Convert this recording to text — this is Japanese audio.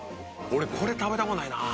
俺これ食べた事ないなぁ。